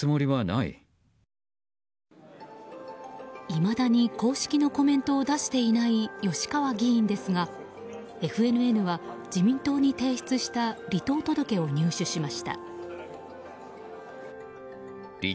いまだに公式のコメントを出していない吉川議員ですがＦＮＮは自民党に提出した離党届を入手しました。